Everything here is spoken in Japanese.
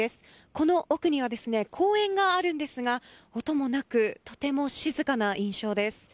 この奥には公園があるんですが音もなくとても静かな印象です。